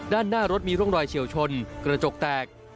ด้านหน้ารถมีร่องรอยเฉียวชนกระจกแตก